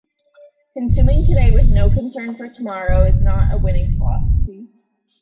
Consuming today with no concern for tomorrow is not a winning philosophy.